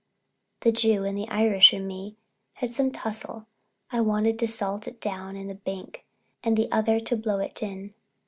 The Jew and the Irish in me had some tussle, one wanting to salt it down in the bank and the other to blow it in.